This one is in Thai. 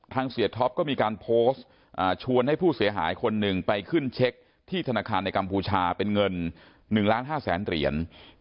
เสียท็อปก็มีการโพสต์ชวนให้ผู้เสียหายคนหนึ่งไปขึ้นเช็คที่ธนาคารในกัมพูชาเป็นเงิน๑ล้าน๕แสนเหรียญ